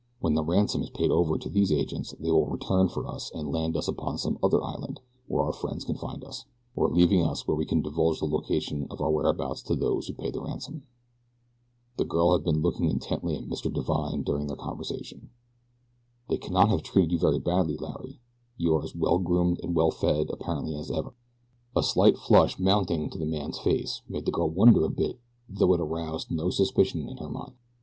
When the ransom is paid over to these agents they will return for us and land us upon some other island where our friends can find us, or leaving us where we can divulge the location of our whereabouts to those who pay the ransom." The girl had been looking intently at Mr. Divine during their conversation. "They cannot have treated you very badly, Larry," she said. "You are as well groomed and well fed, apparently, as ever." A slight flush mounting to the man's face made the girl wonder a bit though it aroused no suspicion in her mind.